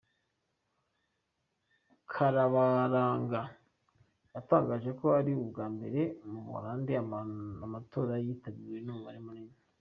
Karabaranga yatangaje ko ari ubwa mbere mu Buholandi amatora yitabiriwe n’umubare munini.